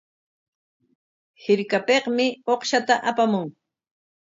Hirkapikmi uqshta apamun.